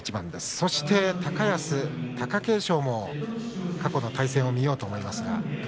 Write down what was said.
そして高安、貴景勝も過去の対戦を見ようと思います。